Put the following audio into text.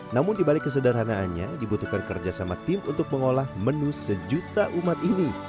namun dibalik kesederhanaannya dibutuhkan kerja sama tim untuk mengolah menu sejuta umat ini